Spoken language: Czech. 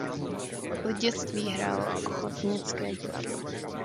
Od dětství hrál ochotnické divadlo.